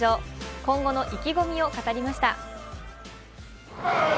今後の意気込みを語りました。